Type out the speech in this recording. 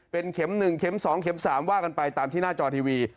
เป็นเข็มหนึ่งเข็มสองเข็มสามว่ากันไปตามที่หน้าจอทีวี